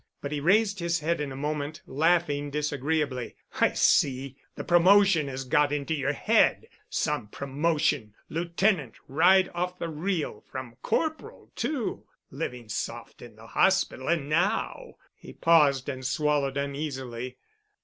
But he raised his head in a moment, laughing disagreeably. "I see. The promotion has got into your head. Some promotion—Lieutenant right off the reel—from Corporal, too. Living soft in the hospital and now——" He paused and swallowed uneasily.